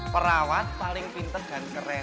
perawat paling pinter dan keren